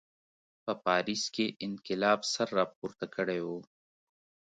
په پاریس کې انقلاب سر راپورته کړی و.